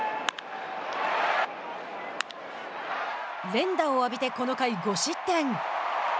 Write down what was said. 連打を浴びてこの回５失点。